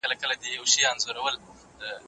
خو له ناروغ سره نږدې مه کینئ.